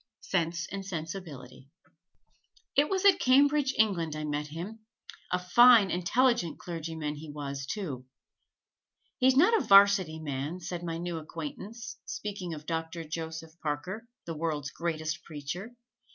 Sense and Sensibility [Illustration: JANE AUSTEN] It was at Cambridge, England, I met him a fine, intelligent clergyman he was, too. "He's not a 'Varsity man," said my new acquaintance, speaking of Doctor Joseph Parker, the world's greatest preacher.